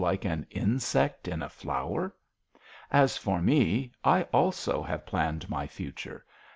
like an insect in a flower ? As for me, I also have planned my future.